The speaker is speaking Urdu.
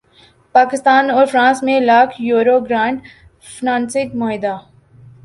پاکستان اور فرانس میں لاکھ یورو گرانٹ فنانسنگ معاہدہ